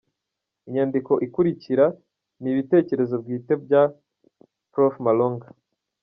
Inyandiko ikurikira ni ibitekerezo bwite bwa Prof Malonga.